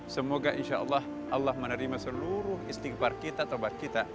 semoga insya allah allah menerima seluruh istighfar kita